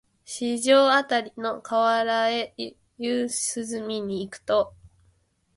四条あたりの河原へ夕涼みに行くと、